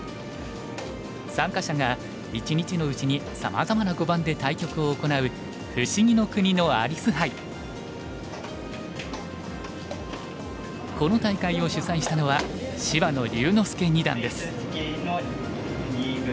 参加者が一日のうちにさまざまな碁盤で対局を行うこの大会を主催したのは芝野龍之介二段です。